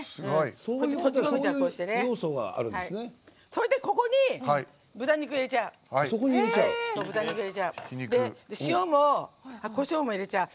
それで、ここに豚肉入れちゃう。